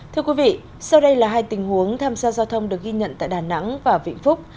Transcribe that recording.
thưa quý vị sau đây là hai tình huống tham gia giao thông được ghi nhận tại đà nẵng và vĩnh phúc